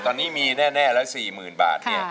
ตอนนี้มีแน่แล้ว๔๐๐๐๐บาท